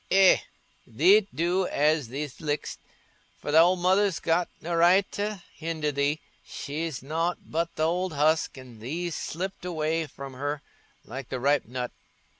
"Eh, thee't do as thee lik'st, for thy old mother's got no right t' hinder thee. She's nought but th' old husk, and thee'st slipped away from her, like the ripe nut."